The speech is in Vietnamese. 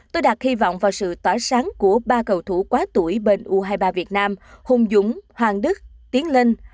tôi đặt hy vọng vào sự tỏa sáng của ba cầu thủ quá tuổi bên u hai mươi ba việt nam hùng dũng hoàng đức tiến lên